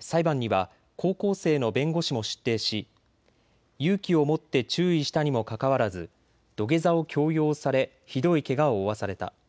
裁判には高校生の弁護士も出廷し、勇気を持って注意したにもかかわらず土下座を強要されひどいけがを負わされた。